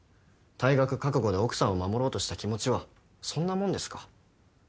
退学覚悟で奥さんを守ろうとした気持ちはそんなもんですか？